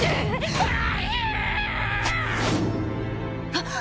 あっ！？